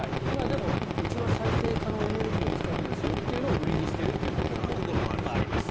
でも、うちは再生可能エネルギーを使うんですよというのを売りにしているというところもあります。